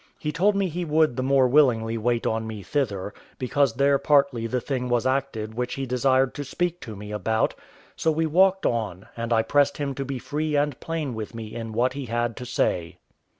He told me he would the more willingly wait on me thither, because there partly the thing was acted which he desired to speak to me about; so we walked on, and I pressed him to be free and plain with me in what he had to say.